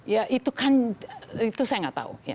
ya itu kan itu saya nggak tahu